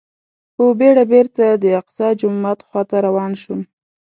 په بېړه بېرته د الاقصی جومات خواته روان شوم.